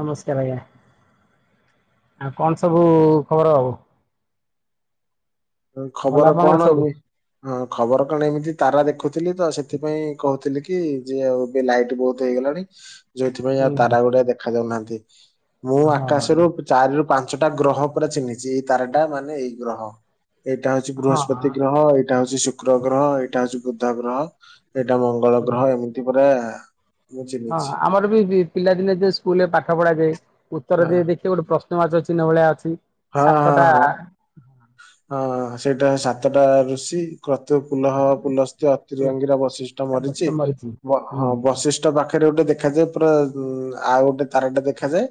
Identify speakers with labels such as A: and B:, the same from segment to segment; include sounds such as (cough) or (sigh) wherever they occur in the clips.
A: ନମସ୍କାର ଆଜ୍ଞା। ଆଉ କଣ ସବୁ ଖବର ହବ।
B: ଖବର କଣ ଏମି ଖବର କଣ ଏମିତି ତାରା ଦେଖୁଥିଲି ତ ସେଥିପାଇଁ କହୁଥିଲି କି ଯେ ଆଉ ଏବେ ଲାଇଟ ବହୁତ ହେଇଗଲାଣି ଯୋଉଥିପାଇଁ
A: ହୁଁ
B: ଆଉ
A: ହୁଁ
B: ତାରା ଗୁଡା ଦେଖା ଯାଉନାହାନ୍ତି ମୁଁ
A: ହଁ
B: ଆକାଶରୁ ଚାରି ରୁ ପାଞ୍ଚ ପାଞ୍ଚଟା ଗ୍ରହ ପୁରା ଚିହ୍ନିଛି ଏଇ ତାରାଟା ମାନେ ଏଇ ଗ୍ରହ ଏଇଟା ହଉଛି
A: ହଁ
B: ବୃହସ୍ପତି ଗ୍ରହ ଏଇଟା ଏଇଟା ହୋଉଛି ଶୁକ୍ର ଗ୍ରହ ଏଇଟା ହୋଉଛି ବୁଦ୍ଧ ଗ୍ରହ ଏଇଟା ମଙ୍ଗଳ
A: ହଁ
B: ଗ୍ରହ ଏମିତି ପୁରା ମୁଁ
A: ହଁ
B: ଚିହ୍ନିଛି
A: ଆମର ବି ପିଲାଦିନେ ଯେ ସ୍କୁଲରେ ପାଠ ପଢା ଯାଏ ଉତ୍ତର
B: ହଁ
A: ଦେଇ ଦେଖିବେ ଗୋଟେ ପ୍ରଶ୍ନ ପ୍ରଶ୍ନ ବାଚକ ଚିହ୍ନ ଭଳିଆ ଅଛି
B: ହଁ ହଁ
A: ସାତଟା
B: ହଁ। ହଁ ସେଇଟା ସାତଟା ଋଷି। କତୁ ପୁଲହ ପୁଲସ୍ତ ଅତ୍ରି ଅଙ୍ଗିରା ବଶିଷ୍ଟ
A: ଗଛ
B: ମରିଚି
A: ମରିଛି
B: ହଁ
A: ହୁଁ
B: ବଶିଷ୍ଟ ପାଖ ପାଖରେ ଗୋଟେ ଦେଖାଯାଏ ପୁରା ଆଉ ଗୋଟେ ତାରାଟା ଦେଖାଯାଏ।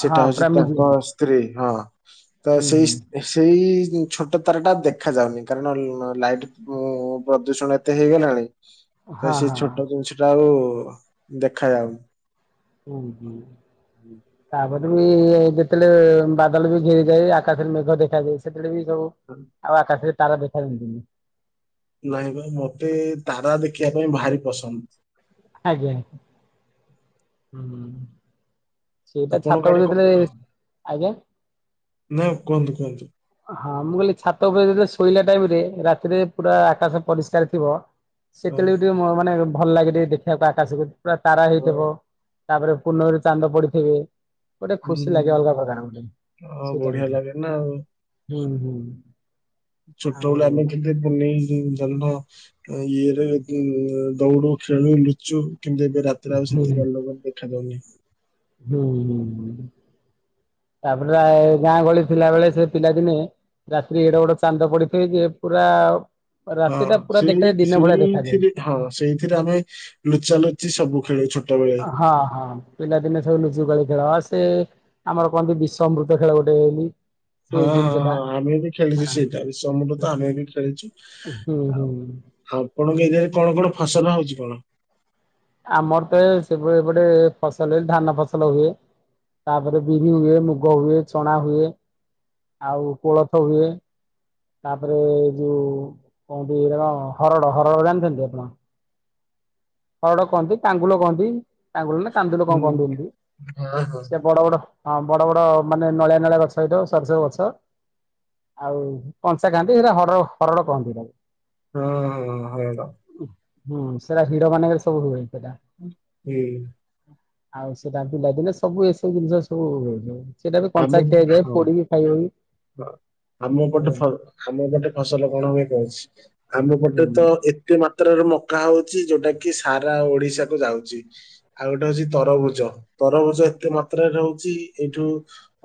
B: ସେଟା
A: ହଁ
B: ହଉଛି
A: ପୁରା ମିଜି
B: ତାଙ୍କ
A: ହୁଁ
B: ସ୍ତ୍ରୀ ହଁ ତ ସେଇ
A: ହୁଁ
B: ସେଇ ଛୋଟ ତାରା ଟା ଦେଖା ଯାଉନି କାରଣ ଲାଇଟ୍ ଉ ପ୍ରଦୂଷଣ ଏତେ ହେଇଗଲାଣି। ତ
A: ହଁ
B: ସେ
A: ହଁ
B: ଛୋଟ ଜିନିଷ ଟା ଆଉ ଦେଖାଯାଉନି।
A: ହୁଁ ହଁ ତାପରେ ଯେତେବେଳେ ବାଦଲ ବି ଘେରିଯାଏ ଆକାଶରେ ମେଘ ଦେଖାଯାଏ ସେତେଳେ ବି ସବୁ ଆଉ ଆକାଶରେ ତାରା ଦେଖା ଦିଅନ୍ତିନି।
B: ନାଇଁ ବା ମତେ ତାରା ଦେଖିବା ପାଇଁ ଭାରି ପସନ୍ଦ।
A: ଆଜ୍ଞା ହୁଁ। ସେଇଟା
B: ଆପଣଙ୍କ ଆଡେ
A: ଛାତଉପରେ
B: କ
A: ଥିଲେ ଆଜ୍ଞା।
B: ନା କୁହନ୍ତୁ କୁହନ୍ତୁ।
A: ହଁ ମୁଁ କହିଲି ଛାତ ଉପରେ ଯେତେଳେ ଶୋଇଲା ଟାଇମ ରେ ରାତିରେ ପୁରା ଆକାଶ ପରିଷ୍କାର ଥିବ। ସେତେବେଲେ ବି ଟିକେ ମ ମାନେ ଭଲ ଲାଗେ ଟିକେ ଦେଖିବାକୁ ଆକାଶକୁ ପୁରା ତାରା
B: ହଁ
A: ହେଇଥିବ। ତାପରେ ପୂର୍ଣ୍ଣମିରେ ଚାନ୍ଦ ପଡିଥିବେ। ଗୋଟେ ଖୁସି ଲାଗେ
B: ହୁଁ
A: ଅଲଗା ପକାର ଗୋଟେ
B: ଆଉ
A: ସେଟା
B: ବଢିଆ
A: ଗୁଟେ
B: ଲାଗେ ନା
A: ହୁଁ ହୁଁ।
B: ଛୋଟ
A: ଆଉ
B: ବେଳେ ଆମେ କେତେ ପୁନେଇ ଜହ୍ନ। ଇଏରେ ଦୌଡୁ, ଖେଳୁ, ଲୁଚୁ କିନ୍ତୁ ଏବେ ରାତିରେ ଆଉ ସେତିକି ଆଲୋକ ଦେଖାାଯାଉନି।
A: ହୁଁ ହୁଁ ହୁଁ। ତାପରେ ଆ ଗାଁ ଗହଳି ଥିଲା ବେଳେ ସେ ପିଲାଦିନେ ରାତିରେ ଏଡ ବଡ ଚାନ୍ଦ ପଡିଥାଏ ଯେ ପୁରା
B: ହଁ
A: ରାତି ଟା ପୁରା
B: ସେଇ
A: ଦେଖାଯାଏ ଦିନ ଭଳିଆ ଦେଖାଯାଏ।
B: ସେଇଥିରେ ଧାଅ। ସେଇଥିରେ ଆମେ ଲୁଚା ଲୋଚି ସବୁ ଖେଳୁ ଛୋ
A: ହଁ ହଁ ପିଲାଦିନେ ସବୁ ଲୁଚୁ କାଳି ଖେଳ ସେ ଆମର କହନ୍ତି ବିଶଅମୃତ ଖେଳ ଗୋଟେ ବୋଲି।
B: ହଁ
A: ସେଇ ଜିନିଷ
B: ହଁ
A: ଟା
B: ହଁ ଆମେ ବି ଖେଳିଛୁ
A: ହଁ
B: ସେଇଟା ବିଷ ଅମୃତ ଆମେ ବି ଖେଳିଛୁ।
A: ହୁଁ ହୁଁ।
B: ଆଉ ଆ ଆପଣଙ୍କ ଏରିଆରେ କଣ କଣ ଫସଲ ହଉଛି କଣ?
A: ଆମର ତ ସେଭଳି ଏପଟେ ଫସଲରେ ଧାନ ଫସଲ ହୁଏ। ତାପରେ ବିରି ହୁଏ, ମୁଗ ହୁଏ, ଚଣା ହୁଏ। ଆଉ କୋଳଥ ହୁଏ। ତାପରେ ଯୋଉ କହନ୍ତି ଏଇଟା କଣ ହରଡ ହରଡ ଜାଣିଥାନ୍ତି ଆପଣ? ହରଡ କହନ୍ତି ତାଙ୍ଗୁଲ କହନ୍ତି। ତାଙ୍ଗୁଲ ନା କାନ୍ଦୁଲ
B: ହୁଁ
A: କଣ କହନ୍ତି ଏନ୍ତୀ
B: ହଁ ହଁ
A: ସେ ବଡ ବଡ। ହଁ ବଡ ବଡ ମାନେ ନଳିଆ ନଳିଆ ଗଛ ହେଇଥିବ ସର ସବୁ ଗଛ। ଆଉ କଞ୍ଚା ଖାଆନ୍ତି ହେରା ହଡର ହରଡ଼ କହନ୍ତି ତାକୁ।
B: ହଁ ହଁ ହରଡ।
A: ହୁଁ ସେଟା ହିଡ ମାନଙ୍କରେ ସବୁ ହୁଏ ହେଇଟା। ଆଉ ସେଟା ପିଲାଦିନେ ସବୁ ଏସବୁ ଜିନିଷ ସବୁ ହୁଏ। ସେଇଟା ବି
B: ଆମ
A: କଞ୍ଚା ଖିଆଯାଏ,
B: ହଁ
A: ପୋଡିକି ଖାଇବ ବି।
B: ହଁ ଆମ ଏପଟେ
A: ଆଜ୍ଞା
B: ଫ ଆମ ଏପଟେ ଫସଲ କଣ ହୁଏ କହୁଛି। ଆମ ଏପଟେ
A: ହୁଁ
B: ତ ଏତେ ମା ତ୍ରାରୁ ମକା ହଉଚି ଯୋଉଟା କି ସାରା ଓଡିଶା କୁ ଯାଉଚି। ଆଉ ଗୋଟେ ହଉଛି ତରଭୁଜ। ତରଭୁଜ ଏତେ ମାତ୍ରାରେ ରହୁଛି ଏଇଠୁ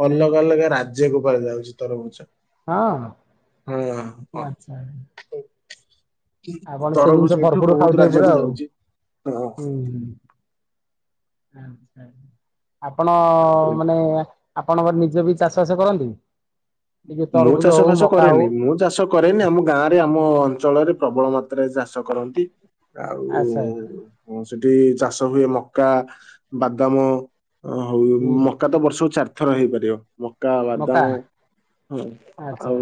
B: ଅଲଗା ଅଲଗା ରାଜ୍ୟକୁ କୁଆଡ଼େ ଯାଉଛି। ତରଭୁଜ
A: ହଁ
B: ହଁ ହଁ।
A: ଆଚ୍ଛା। ଆପଣ ସେଇ
B: ତରଭୁଜ
A: ଜିନିଷ
B: ଏଠୁ
A: ଭରପୁରୁ
B: ବହୁତ
A: ଖାଉଥିବେ ପୁରା
B: ରାଜ୍ୟକୁ
A: ଆଉ।
B: ଯାଉଛି
A: ହୁଁ। (unintelligible) ଆପଣ
B: ହଁ।
A: ମାନେ ଆପଣଙ୍କର ନିଜେ ବି ଚାଷ ବାସ କରନ୍ତି। ଏ ଯୋଉ
B: ମୁଁ
A: ତରଭୁଜ
B: ଚାଷ
A: ହଉ
B: ଫାସ
A: ମକା ହଉ
B: କରେନି। ମୁଁ ଚାଷ କରେନି ଆମ ଗାଁ ରେ ଆମ ଅଞ୍ଚଳରେ ପ୍ରବଳ ମା ତ୍ରାରେ ଚାଷ କରନ୍ତି। ଆଉ
A: ଆଚ୍ଛା ଆଚ୍ଛା
B: ସେଠି ଚାଷ ହୁଏ ମକା, ବାଦାମ, ଆଉ
A: ହୁଁ
B: ମକା ତ ବର୍ଷକୁ ଚାରି ଥର ହେଇପାରିବ। ମକା,
A: ମକା
B: ବାଦାମ,
A: ଆଚ୍ଛା।
B: ଆଉ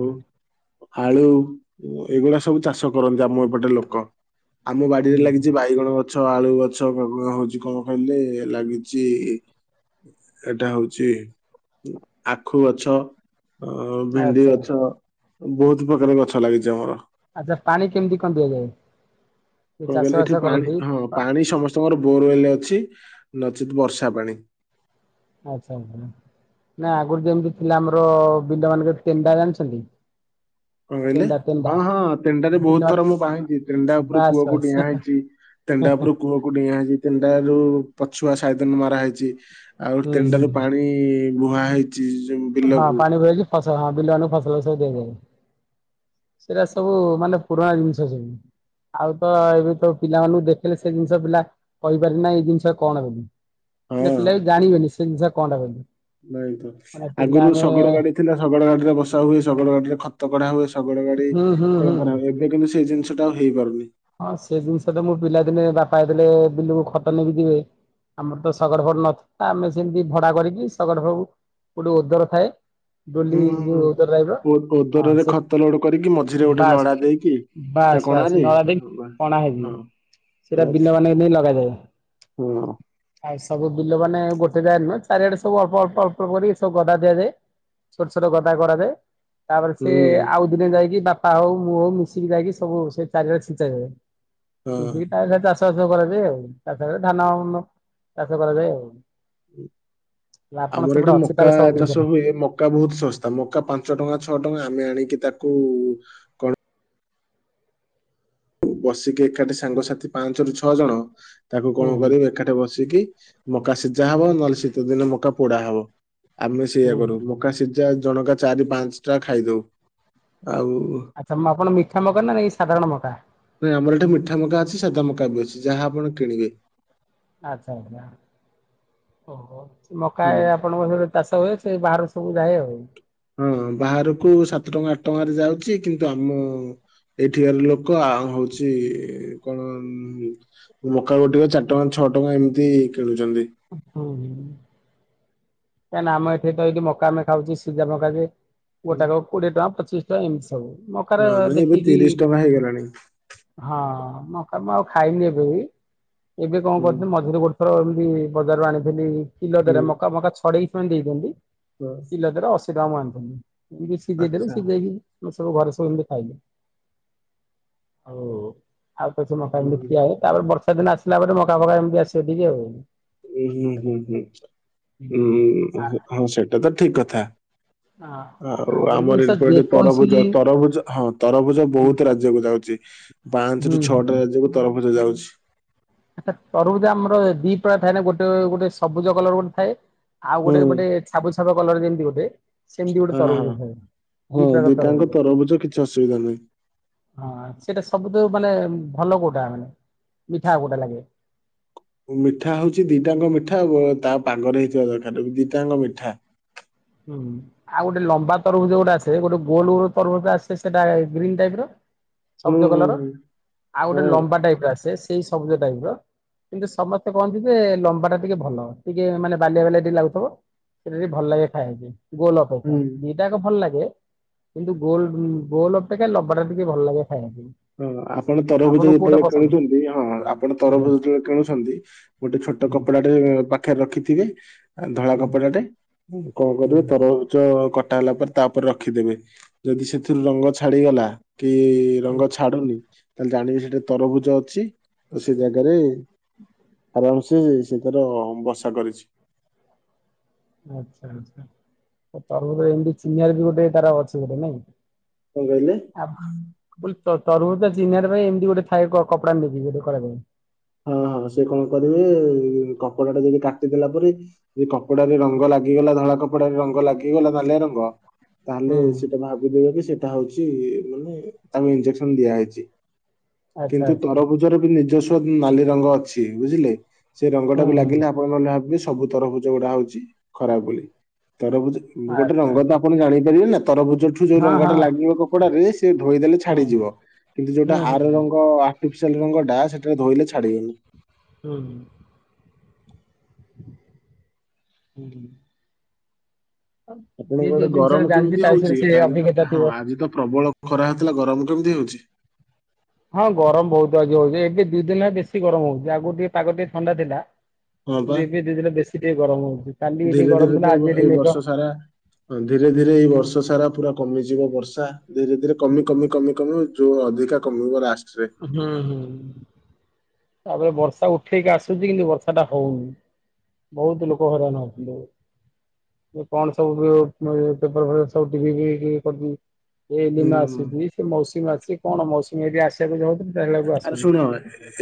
B: ଆଳୁ ଏଗୁଡା ସବୁ ଚାଷ କରନ୍ତି ଆମ ଏପଟେ ଲୋକ। ଆମ ବାଡିରେ
A: ହୁଁ
B: ଲାଗିଛି ବାଇଗଣ ଗଛ। ଆଳୁ ଗଛ (unintelligible) କଣ ହଉଛି କଣ କଇଲେ ଲାଗିଚି ଏଇଟା ହଉଚି ଆଖୁ ଗଛ। ଅ ଭେଣ୍ଡି
A: ଆଚ୍ଛା
B: ଗଛ ବହୁତ ପ୍ରକାର ଗଛ ଲାଗିଛି ଆମର।
A: ଆଚ୍ଛା ପାଣି କେମିତି କଣ ଦିଆଯାଏ? ଯୋଉ
B: କଣ
A: ଚାଷ
B: କହିଲେ
A: ବାସ
B: ଏଠି ପାଣି
A: କରନ୍ତି
B: ହଁ ପାଣି ସମସ୍ତଙ୍କର ବୋରୱଲେ ଅଛି। ନଚେତ୍ ବର୍ଷା ପାଣି।
A: ଆଚ୍ଛା ଆଚ୍ଛା। ନା ଆଗରୁ ଯେମିତି ଥିଲା ଆମର ବିିଲ ମାନଙ୍କ ତେଣ୍ଡା ଜାଣିଛନ୍ତି?
B: କଣ କହିଲେ
A: ତେଣ୍ଡା ତେଣ୍ଡା
B: ହଁ ହଁ ତେଣ୍ଡାରେ
A: ବିଲ
B: ବହୁତ ଥର ମୁଁ ପାଣି ଦିଏ। ତେଣ୍ଡା ଉପରୁ
A: ବାସ୍
B: କୂଅକୁ
A: ବାସ୍
B: ଡିଆଁ ହେଇଛି। ତେଣ୍ଡା ଉପରୁ କୂଅକୁ ଡିଆଁ ହେଇଛି ତେଣ୍ଡା ଯଉ ପଛୁଆ ସାଇଦନ ମରା ହେଇଛି। ଆଉ
A: ହୁଁ
B: ତେଣ୍ଡା
A: ହୁଁ।
B: ରୁ ପାଣି ବୁହା ହେଇ
A: ହଁ ପାଣି ଭରେଇକି ଫସଲ ହଁ ବିଲ ମାନଙ୍କୁ ଫସଲ ସବୁ ଦିଆଯାଏ। ସେଇଟା ସବୁ ମାନେ ପୁରୁଣା ଜିନିଷ ସେମି ଆଉ ତ ଏବେ ତ ପିଲାମାନଙ୍କୁ ଦେଖିଇଲେ ସେ ଜିନିଷ ପିଲା କହିପାରିବେନି ଏଇ ଜିନିଷ କଣ ବୋଲି। ନା
B: ହଁ
A: ପିଲା ବି ଜାଣିବେନି ସେ ଜିନିଷ କଣ ଟା ବୋଲି।
B: ନାଇଁ ତ
A: ମାନେ ପିଲା
B: ଆଗରୁ
A: ଆମେ
B: ଶଗଡ ଗାଡି ଥିଲା। ଶଗଡ ଗାଡିରେ ବସା ହୁଏ। ଶଗଡ ଗାଡିରେ ଖତ କଢା ହୁଏ। ଶଗଡ ଗାଡି
A: ହୁଁ ହୁଁ
B: କ (unintelligible)
A: ହୁଁ।
B: କରା ହୁଏ ଏବେ କିନ୍ତୁ ସେ ଜିନିଷ ଟା ଆଉ ହେଇପାରୁନି।
A: ହଁ ସେ ଜିନିଷ ଟା ମୁଁ ପିଲାଦିନେ ବାପା ଥିଲେ ବିଲକୁ ଖତ ନେଇକି ଯିବେ। ଆମର ତ ଶଗଡ଼ ଫଗଡ ନଥିଲା। ଆମେ ସେମିତି ଭଡା କରିକି ଶଗଡ଼ ଫଉ କୋଉଟୁ ଉଦର ଥାଏ।
B: ହୁଁ
A: ଡୁଲି
B: ହୁଁ।
A: ଯୋଉ (unintelligible) ରହିବ
B: ଓ-
A: ହଁ
B: ଓଦରରେ
A: ସେ
B: ଖତ ଲୋଡ କରିକି ମଝିରେ ଗୋଟେ
A: ବାସ୍
B: ନଡା ଦେଇକି ତା
A: ବାସ୍ ବାସ୍
B: କଣାରେ
A: ନଳ ଦିନ
B: ବାସ୍।
A: କଣା ହେଇକି
B: ହଁ
A: ସେଟା
B: ବାସ୍,
A: ବିଲ ମାନଙ୍କ ନେଇ ଲଗାଯାଏ।
B: ହଁ
A: (unintelligible) ସବୁ ବିଲ ମାନେ ଗୋଟେ ନୁହେଁ ଚାରିଆଡେ ସବ ଅଳ୍ପ ଅଳ୍ପ ଅଳ୍ପ କରିକି ସବୁ ଗଦା ଦିଆଯାଏ। ଛୋଟ ଛୋଟ ଗଦା କରାଯାଏ। ତାପରେ ସେ
B: ହୁଁ
A: ଆଉ ଦିନେ ଯାଇକି ବାପା ହଉ ମୁଁ ହଉ ମିଶିକି ଯାଇକି ସବୁ ସେ ଚାରିଆଡେ ଛିଞ୍ଚା ଯାଏ।
B: ହଁ
A: ଛିଞ୍ଚିକି ତା ଦିହରେ ଚାଷ ବାଷ କରାଯଏ ଆଉ ତା ଥାରେ ଧାନ ଅମ ଚାଷ କରାଯାଏ ଆଉ।
B: ହୁଁ।
A: ଆପଣ
B: ଆମର
A: ସେପଟେ
B: ଏଠି
A: ଅଛି
B: ମକା
A: ତାହେଲେ ସବୁ ଜିନିଷ
B: ଚାଷ ହୁଏ। ମକା ବହୁତ ଶସ୍ତା। ମକା ପାଞ୍ଚ ଟଙ୍କା ଛ ଛଅ ଟଙ୍କା ଆମେ ଆଣିକି ତାକୁ କଣ ବସିକି ଏକାଠି ସାଙ୍ଗସାଥି ପାଞ୍ଚ ରୁ ଛଅ ଜଣ ତାକୁ କଣ
A: ହୁଁ
B: କରିବୁ ଏକାଠି ବସିକି ମକା ସିଜା ହବ ନହେଲେ ଶୀତ ଦିନେ ମକା ପୋଡା ହବ। ଆମେ ସେଇୟା
A: ହୁଁ
B: କରୁ ମକା ସିଜା ଜଣକା ଚାରି ପାଞ୍ଚ ଟା ଖାଇଦଉ। ଆଉ
A: ଆଚ୍ଛା, ମ-ଆପଣ ମିଠା ମକା ନା ନାଇଁ ଏଇ ସାଧାରଣ ମକା?
B: ନାଇଁ ଆମର ଏଠି ମିଠା ମକା ଅଛି, ସାଧା ମକା ବି ଅଛି, ଯାହା ଆପଣ କିଣିବେ।
A: ଆଚ୍ଛା, ଆଚ୍ଛା, ଓହୋ। ମକା
B: ହାଲୋ।
A: ଏ ଆପଣଙ୍କ ସିଆଡେ ଚାଷ ହୁଏ ସେ ବାହାରକୁ ସବୁ ଯାଏ ଆଉ।
B: ହଁ, ହଁ, ବାହାରକୁ ସାତ ଟଙ୍କା ଆଟ ଟଙ୍କାରେ ଯାଉଚି। କିନ୍ତୁ ଆମ ଏଠିକାର ଲୋକ ଆଉ ହଉଛି କଣ ମକା ଗୋଟିକ ଚାର ଟଙ୍କା, ଛଅ ଟଙ୍କା ଏମିତି କିଣୁ
A: ଓ ହଁ। କାହିଁକି ନା ଆମେ ଏଠି ତ ଏଇଟି ମକା ଆମେ ଖାଉଚେ ସିଜା ମକା ଯେ ଗୋଟାକ କୋଡିଏ ଟଙ୍କା ପଚିଶ ଟଙ୍କା ଏମିସି। ସବୁ ମକା ର
B: ହଁ ନାଇଁ ଏବେ
A: ଦେଖିକି,
B: ତିରିଶ ଟଙ୍କା ହେଇଗଲାଣି
A: ହଁ। ମକା ମୁଁ ଆଉ ଖାଇନି ଏବେବି। ଏବେ କଣ
B: ହୁଁ
A: କରିଥିନି ମଝିରେ ଗୋଟେ ଥର ଏମତି ବଜାରରୁ ଆଣିଥିଲି କିଲୋ
B: ହୁଁ।
A: ଦାରିଆ। ମକା ମକା ଛଡେଇ ସେମାନେ ଦେଇ ଦିଅନ୍ତି
B: ହଁ।
A: କିଲୋ ଦର ଅଶ ସେଗା ମୁଁ ଆଣିଥିନି। ଯିଏ ସିଜେଇଦେଲୁ
B: ଆଚ୍ଛା।
A: ସିଜେଇକି ମୋର ସବୁ ଘରେ ସବୁ ଏମିତି ଖାଇଲେ। ଆଉ ଆଉ କିଛି ମକା ଏମିତି
B: ହୁଁ
A: ଖିଆ ହେଇ। ତାପରେ ବର୍ଷା ଦିନ ଆସିଲା ପରେ ମକା ଫକା ଏମିତି ଆସିବ ଟିକେ ଆଉ।
B: ଉଁ, ହୁଁ, ହୁଁ, ହୁଁ, ହୁଁ, ଅଁ, ହଁ ସେଟା ତ ଠିକ କଥା।
A: ହଁ।
B: ଆଉ ଆମର ଏପଟେ ତରଭୁଜ,
A: ହୁଁ
B: ତରଭୁଜ ହଁ ତରଭୁଜ ବହୁତ ରାଜ୍ୟକୁୁ ଯାଉଚି। ପାଞ୍ଚ
A: ହୁଁ
B: ରୁ ଛଅଟା ରାଜ୍ୟକୁ ତରଭୁଜ ଯାଉଛି।
A: ଆଚ୍ଛା ତରୁଭୁଜ ଆମର ଦି ପ୍ରକାର ଥାଏ ନା। ଗୋଟେ ଗୋଟେ ସବୁଜ କଲର୍ ଗୋଟେ ଥାଏ। ଆଉ
B: ହୁଁ
A: ଗୋଟେ ଗୋଟେ ଛାବୁ ଛାବୁଆ କଲର୍ ଯେମିତି ଗୋଟେ। ସେମତି ଗୋଟେ
B: ହଁ ହଁ
A: ତରଭୁଜ ଥାଏ।
B: ହଁ
A: ଦି ପ୍ରକାର
B: ଦିଟାଙ୍କ
A: ତରଭୁଜ।
B: କିଛି ଅସୁବିଧା ନାହିଁ।
A: ହଁ ସେଟା ସବୁଠୁ ମାନେ ଭଲ କୋଉଟା ମାନେ ମିଠା କୋଉଟା ଲାଗେ?
B: ମିଠା ହଉଛି ଦିଟାଙ୍କ ମିଠା ଉ, ତା ପାଗରେ ହେଇଥିବା ଦରକାର। ଦିଟାଙ୍କ ମିଠା।
A: ହୁଁ, ଆଉ ଗୋଟେ ଲମ୍ବା ତରଭୁଜ ଗୋଟେ ଆସେ ଗୋଟେ ଗୋଲ ଗୋଲ ତରଭୂଜ ଆସେ ସେଟା ଗ୍ରୀନ୍ ଟାଇପ୍ ର।
B: ହୁଁ
A: ସବୁଜ
B: ହୁଁ
A: କଲର୍
B: ହୁଁ
A: ଆଉ ଗୋଟେ
B: ହଁ
A: ଲମ୍ବା ଟାଇପ୍ ର ଆସେ ସେଇ ସବୁଜ ଟାଇପ୍ ର। କିନ୍ତୁ ସମସ୍ତେ କହନ୍ତି ଯେ ଲମ୍ବା ଟା ଟିକେ ଭଲ। ଟିକେ ମାନେ ବାଲିଆ ବାଲିଆ ଟିକେ ଲାଗୁଥିବ। ସେଟା ଟିକେ ଭଲ ଲାଗେ ଖାଇବା ପାଇଁ ଗୋଲ୍ ଅପେକ୍ଷା
B: ହୁଁ।
A: ଦିଟାକ ଭଲ ଲାଗେ। କିନ୍ତୁ ଗୋଲ ଉଁ, ଗୋଲ ଅପେକ୍ଷା ଲମ୍ବା ଟା ଟିକେ ଭଲ ଲାଗେ। ଖାଇବା ପାଇଁ।
B: ହଁ ଆପଣ ତରଭୁଜ
A: ଆପଣଙ୍କୁ କୋଉଟା
B: ଯେତେବେଳେ
A: ପସନ୍ଦ
B: କିଣୁଚନ୍ତି। ହଁ ଆପଣ
A: ଆଜ୍ଞା
B: ତରଭୁଜ ଯେତେବେଳେ କିଣୁଛନ୍ତି ଗୋଟେ ଛୋ ଟ
A: ହୁଁ
B: କପଡା ଟେ ପାଖରେ ରଖିଥିବେ। ଧଳା
A: ହୁଁ
B: କପଡ଼ାଟେ, କଣ
A: ହୁଁ
B: କରିବ ତରଭୁଜ କଟା ହେଲା ପରେ ତାପରେ ରଖିଦେବେ। ଯଦି ସେଥିରୁ ରଙ୍ଗ ଛାଡିଗଲା କି
A: ହୁଁ
B: ରଙ୍ଗ ତାଲେ ଜାଣିବି ସେଟା ତରଭୁଜ ଅଛି। ତ ସେ ଜାଗାରେ ଆରାମ ସେ ସେ ତାର ବସା କରିଚି।
A: ଆଛା ଆଛା, ତ ତରୁବୁଜ ଏମତି ଚିନିବାରେ ବି ଗୋଟେ ତାର ଅଛି ଗୋଟେ ନାଇଁ।
B: କଣ କହିଲେ
A: ଆବ ମୁଁ କ ତ ତରୁଭୂଜ ଚିହ୍ନିବାର ପାଇଁ, ଏମିତି ଗୋଟେ ଥାଏ କ କପଡା ନେଇେକି ଗୋଟେ କରିବା ପାଇଁ।
B: ହଁ ସେ କଣ କରିବେ କପଡା ଟା ଯଦି କାଟିଦେଲା ପରେ, ଯଦି କପଡା ରଙ୍ଗ ଲାଗିଗଲା ଧଳା କପଡାରେ ରଙ୍ଗ ଲାଗିଗଲା ନାଲିଆ ରଙ୍ଗ। ତାହେଲେ
A: ହୁଁ
B: ସେଇଟା ଭାବିଦେବେ କି ସେଇଟା ହଉଚି ମାନେ ତାଙ୍କୁ ଇଞ୍ଜେକସନ ଦିଆହେଇଚି।
A: ଆଚ୍ଛା
B: କିନ୍ତୁ
A: ଆଚ୍ଛା
B: ତରଭୁଜର ବି ନିଜସ୍ୱ ବି ନାଲି ରଙ୍ଗ ଅଛି ବୁଝିଲେ। ସେ ରଙ୍ଗ ଟା
A: ହୁଁ
B: ବି
A: ହୁଁ
B: ଲାଗିଲେ, ଆପଣ ମାନେ ଭାବିବେ ସବୁ ତରଭୁଜ ଗୁଡା ହଉଚି ଖରାପ ବୋଲି। ତରଭୁଜ ଗୋଟେ
A: ଆଚ୍ଛା
B: ରଙ୍ଗ ତ
A: ଆଚ୍ଛା
B: ଆପଣ ଜାଣିପାରିବେ ନା। ତରଭୁଜ ଠୁ ଯୋଉ
A: ହଁ
B: ରଙ୍ଗଟା
A: ହଁ
B: ଲାଗିବ କପଡାରେ, ସେ ଧୋଇଦେଲେ
A: ହୁଁ
B: ଛାଡିଯିବ। କିନ୍ତୁ ଯୋଉଟା
A: ହୁଁ ହୁଁ
B: ଆର ରଙ୍ଗ ଆ ର୍ଟିଫିସିଆଲ ରଙ୍ଗଟା ସେଠାରେ ଧୋଇଲେ ଛାଡିବନି।
A: ହୁଁ। ଯିଏ ଯୋଉ
B: ଆପଣଙ୍କର
A: ଜିନିଷଟା
B: ଗରମ
A: ଜାଣିଛି
B: କେମିତି
A: ତା ବିଷୟରେ
B: ହଉଚି।
A: ସେ
B: ଆଜି
A: ଅଭିଜ୍ଞତା
B: ତ
A: ଥିବ।
B: ହଁ ଆଜି ତ ପ୍ରବଳ ଖରା ହୋଉଥିଲା ଗରମ କେମିତି ହଉଚି?
A: ହଁ ଗରମ ବହୁତ ଆଜି ହଉଚି, ଏବେ ଦୁଇ ଦିନ ହେଲା ବେଶୀ ଗରମ ହଉଚି। ଆଗରୁ ଟିକେ ପାଗ ଟିକେ ଥଣ୍ଡା ଥିଲା।
B: ହଁ ବା
A: ଦିଦି ଦି ଦିନି ବେଶୀ ଟିକେ ଗରମ ହଉଚି, କାଲି ଟିକେ
B: ଧୀରେ ଧୀରେ
A: ଗରମ
B: ତ
A: ଥିଲା
B: ଏଇ
A: ଆଜି
B: ବ-
A: ଏଠି
B: ଏଇ ବର୍ଷ
A: ତ
B: ସାରା ହଁ ଧୀରେ ଧୀରେ ଏଇ ବର୍ଷ ସାରା ପୁରା କମିଯିବ ବର୍ଷା। ଧୀରେ ଧୀରେ କମି କମି କମି ଯୋଉ ଅଧିକା କମିବ ରାସ୍
A: ହୁଁ ହୁଁ। ତାପରେ ବର୍ଷା ଉଠେଇକି ଆସୁଚି କିନ୍ତୁ ବର୍ଷା ଟା ହଉନି। ବହୁତ ଲୋକ ହଇରାଣ ହଉଥିଲେ। ଯୋଉ କଣ ସବୁ (unintelligible) ଏଇ ଦିନ
B: ହୁଁ
A: ଆସୁଚି ସେ ମୌସୁମୀ ଆସୁଚି କଣ ମୌସୁମୀ ହରିକା ଆସିବାକୁ ଦବନି।
B: ଆରେ ଶୁଣ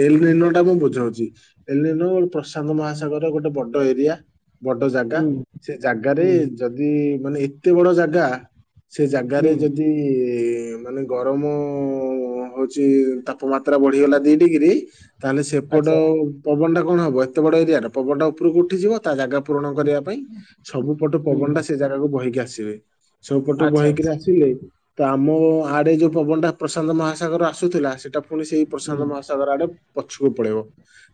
B: ଏଲ୍ ଲାଇନର୍ ଟା ମୁଁ ବୁଝଉଚି ଏଲ୍ ଲା ଗୋ ପ୍ରଶାନ୍ତ ମହାସାଗର ଗୋଟେ ବଡ ଏରିଆ। ବଡ ଜାଗା
A: ହୁଁ
B: ସେ ଜାଗାରେ
A: ହୁଁ
B: ଯଦି ମାନେ ଏତେ ବଡ ଜାଗା ସେ ଜାଗାରେ
A: ହୁଁ
B: ଯଦି ମାନେ ଗରମ ହଉଚି ତା ପମାତ୍ରା ବଢିଗଲା ଦି ଡିଗ୍ରୀ ତାହେଲେ ସେପଟ
A: ଆଚ୍ଛା
B: ପବନ ଟା କଣ ହବ? ଆ ଏତେ ବଡ ଏରିଆରେ ପବନଟା ଉପରକୁ ଉଠି ଯିବ। ତା ଜାଗା ପୂରଣ କରିବା ପାଇଁ ସବୁ ପଟୁ
A: ହୁଁ
B: ପବନ ଟା ସେ ଜାଗାକୁ ବହିକି ଆସିବେ। ସବୁ ପଟୁ
A: ଆଚ୍ଛା
B: ବହିକିରି
A: ଆଚ୍ଛା
B: ଆସିଲେ ତା ମୋ ଆଡେ ଯୋଉ ପବନ ଟା ପ୍ରଶାନ୍ତ ମହାସାଗର ଆସୁଥିଲା ସେଇଟା ପୁଣି ସେଇ
A: ହୁଁ
B: ପ୍ରଶାନ୍ତ ମହାସାଗର ଆଡେ ପଛକୁ ପଳେଇବ।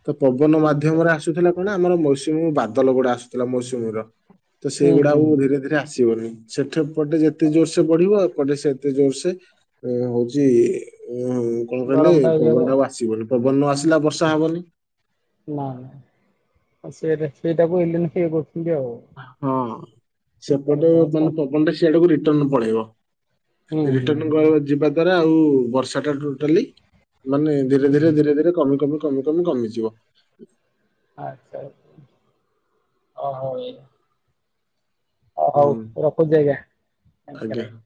B: ତ ପବନ
A: ଆଚ୍ଛା
B: ମାଧ୍ୟମରେ ଆସୁଥିଲା କଣ ଆମର ମୌସୁମୀ ବାଦଲ ଗୁଡା ଆସୁଥିଲା ମୌସୁମୀର। ତ
A: ହୁଁ
B: ସେଇଗୁଡା
A: ହୁଁ
B: ଆଉ ଧୀରେ
A: ହୁଁ
B: ଧୀରେ ଆସିବନି। ସେଠ ପଟେ ଯେତେ ଜୋର୍ ସେ ବଢିବ ଏ ପଟେ ସେତେ ଜୋର୍ ସେ ହଉଚି ଉ କଣ କହିଲେ
A: ଗରମ ଇଏ
B: ପବନ
A: ହବ
B: ଟା ଆଉ ଆସିବନି, ପବନ ନ ଆସିଲା ବର୍ଷା ହବନି।
A: ସେଟା ସେଇଟା କୁ ଏଲିନ ଫିିଓ କହୁଚନ୍ତି?
B: ହଁ
A: ହୁଁ
B: ସେପଟେ ମାନେ ପବନଟା ସେଆଡକୁ ରିଟନ୍ ପଳେଇବ।
A: ହୁଁ
B: ରିଟର୍ଣ
A: ହୁଁ
B: ଗ ଯିବା ଦ୍ଵାରା ଆଉ ବର୍ଷାଟା ଟୋଟାଲି ମାନେ ଧୀରେ ଧୀରେ
A: ହୁଁ
B: ଧୀରେ ଧୀରେ କମି କମି କମି କମି କମିଯିବ।
A: ଆଚ୍ଛା ଆଚ୍ଛା ଅହ ଏୟା ଓ ହଉ
B: ହୁଁ
A: ରଖୁଚି ଆଜ୍ଞା। ନମସ୍କାର୍ ଆଜ୍ଞା।